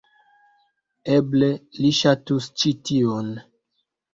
Eble li ŝatus ĉi tiun